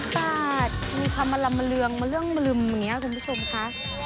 ๔๕๘บาทมีคำลำลำลืมมาเรื่องลำลืมอย่างนี้คุณพี่สมค่ะ